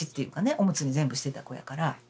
おむつに全部してた子やから。